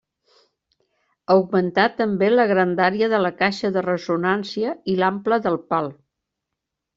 Augmentar també la grandària de la caixa de ressonància i l'ample del pal.